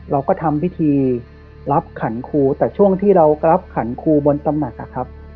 เราก็ทำพิธีรับขันครูแต่ช่วงที่เรารับขันครูบนตำหนักนะครับ